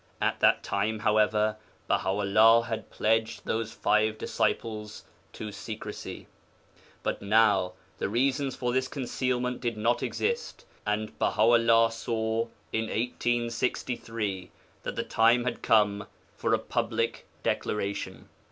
At that time, however, Baha 'ullah had pledged those five disciples to secrecy. But now the reasons for concealment did not exist, and Baha 'ullah saw (in 1863) that the time had come for a public declaration.